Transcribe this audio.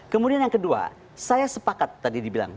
kemudian yang kedua saya sepakat tadi dibilang